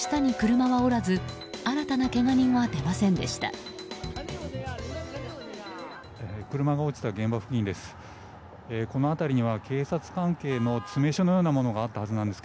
車が落ちた現場付近です。